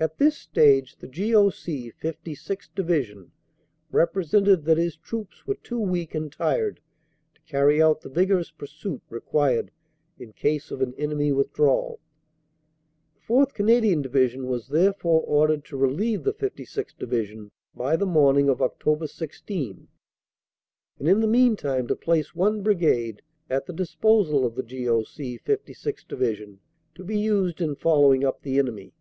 At this stage the G.O.C. 56th. Divi sion represented that his troops were too weak and tired to carry out the vigorous pursuit required in case of an enemy withdrawal. The 4th. Canadian Division was, therefore, ordered to relieve the 56th. Division by the morning of Oct. 16, and in the meantime to place one Brigade at the disposal of the G.O.C. 56th. Division to be used in following up the enemy.